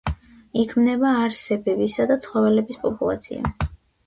იქმნება არსებების და ცხოველების პოპულაცია.